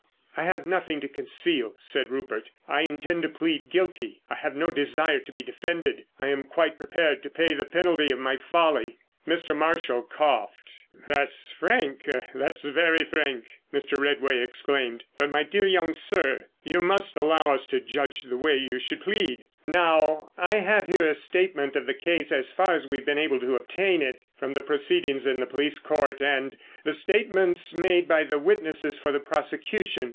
"I have nothing to conceal," said Rupert. "I intend to plead guilty; I have no desire to be defended—I am quite prepared to pay the penalty of my folly." Mr. Marshall coughed. "That's frank; that's very frank," Mr. Redway exclaimed. "But, my dear young sir, you must allow us to judge the way you should plead. Now, I have here a statement of the case as far as we've been able to obtain it from the proceedings in the police court, and the statements made by the witnesses for the prosecution.